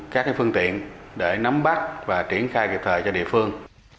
các phương tiện để nắm bắt và triển khai kịp thời cho địa phương